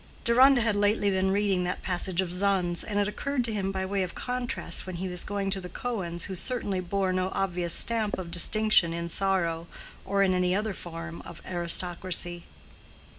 Deronda had lately been reading that passage of Zunz, and it occurred to him by way of contrast when he was going to the Cohens, who certainly bore no obvious stamp of distinction in sorrow or in any other form of aristocracy.